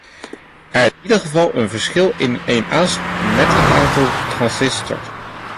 Er is in ieder geval een verschil in een aansturing met het aantal transistors.